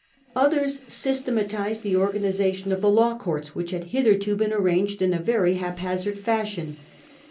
Others systematised the organisation of the Law Courts, which had hitherto been arranged in a very haphazard fashion.